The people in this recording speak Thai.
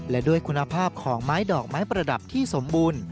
และด้วยคุณภาพของไม้ดอกไม้ประดับที่สมบูรณ์